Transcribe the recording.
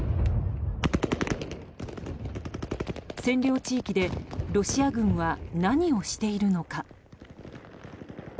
占領地域でロシア軍は何をしているのか。